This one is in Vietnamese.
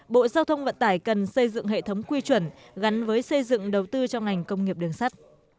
bộ giao thông vận tải cần xây dựng hệ thống quy chuẩn gắn với xây dựng đầu tư cho ngành công nghiệp đường sắt